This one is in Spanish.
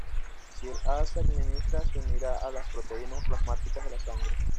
Si el A se administra, se unirá a las proteínas plasmáticas de la sangre.